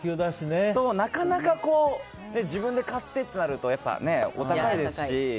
なかなか自分で買ってってなるとやっぱりお高いですし。